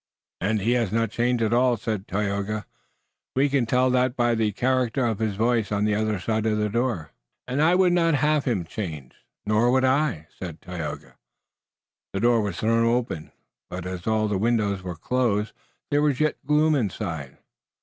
"And he has not changed at all," said Tayoga. "We can tell that by the character of his voice on the other side of the door." "And I would not have him changed." "Nor would I." The door was thrown open, but as all the windows were closed there was yet gloom inside.